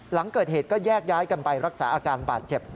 หลังเกิดเหตุก็แยกย้ายกันไปรักษาอาการบาดเจ็บ